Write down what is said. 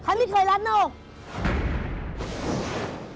ไม่เคยลัดหน้าอก